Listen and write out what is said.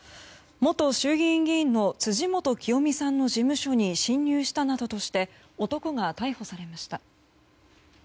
元衆議院議員の辻元清美さんの事務所に侵入したなどとして男が逮捕されました。